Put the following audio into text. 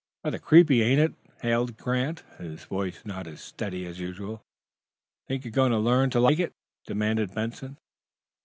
"Rather creepy, ain't it?" hailed Grant, his voice not as steady as usual. "Think you're going to learn to like it?" demanded Benson.